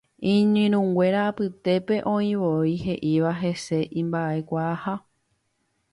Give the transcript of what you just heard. Iñirũnguéra apytépe oĩvoi he'íva hese imba'ekuaaha.